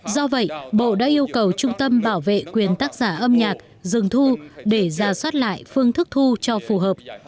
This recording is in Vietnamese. do vậy bộ đã yêu cầu trung tâm bảo vệ quyền tác giả âm nhạc dừng thu để ra soát lại phương thức thu cho phù hợp